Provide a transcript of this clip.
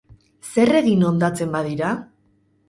Zer egin hondatzen badira?